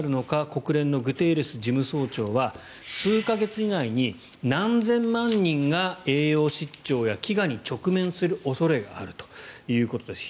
国連のグテーレス事務総長は数か月以内に何千万人が栄養失調や飢餓に直面する恐れがあるということです。